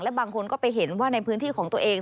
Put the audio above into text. บางคนก็ไปเห็นว่าในพื้นที่ของตัวเอง